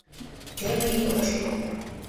Теве илыш.